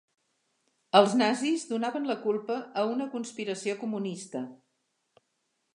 Els nazis donaven la culpa a una conspiració comunista.